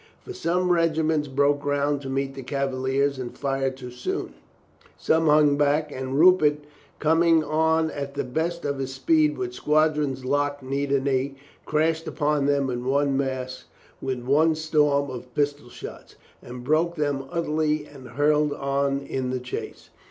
For some regiments broke ground to meet the Cavaliers and fired too soon; some hung back, and Rupert, com ing on at the best of his speed with squadrons locked knee to knee, crashed upon them in one mass, with one storm of pistol shots, and broke them utterly and hurled on in the chase.